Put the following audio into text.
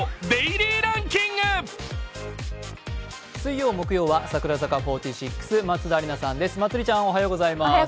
水曜、木曜は櫻坂４６、松田里奈さんです。